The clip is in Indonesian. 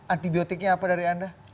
antibiotiknya apa dari anda